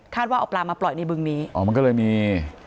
ว่าเอาปลามาปล่อยในบึงนี้อ๋อมันก็เลยมี